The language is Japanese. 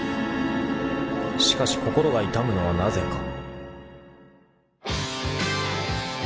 ［しかし心が痛むのはなぜか］